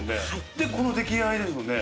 でこの出来栄えですもんね。